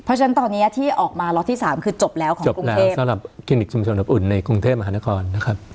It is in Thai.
เพราะฉะนั้นตอนนี้ที่ออกมาล็อตที่๓คือจบแล้วของกรุงเทพสำหรับคลินิกชุมชนอบอุ่นในกรุงเทพมหานครนะครับ